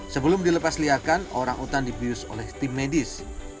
sebelum dilepasliakan orang utan dipius oleh tim medis